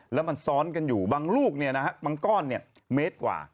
แล้วมันซ้อนกันอยู่บางลูกเนี่ยนะฮะบางก้อนเนี่ยเมตรกว่า